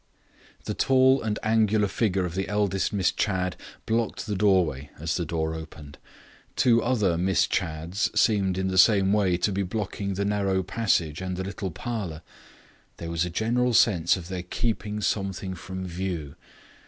The tall and angular figure of the eldest Miss Chadd blocked the doorway as the door opened. Two other Miss Chadds seemed in the same way to be blocking the narrow passage and the little parlour. There was a general sense of their keeping something from view.